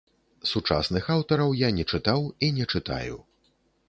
Сучасных аўтараў я не чытаў і не чытаю.